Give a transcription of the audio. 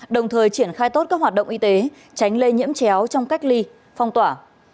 đồng thời triển khai tốt các hoạt động y tế tránh lây nhiễm chéo trong cách ly phong tỏa